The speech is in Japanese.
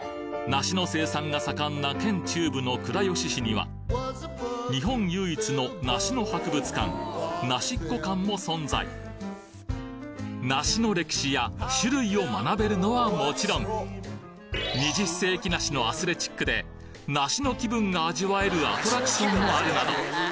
梨の生産が盛んな県中部の倉吉市には日本唯一の梨の博物館なしっこ館も存在梨の歴史や種類を学べるのはもちろん二十世紀梨のアスレチックで梨の気分が味わえるアトラクションもあるなど